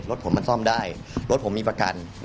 รถผมมันซ่อมได้รถผมมีประกัน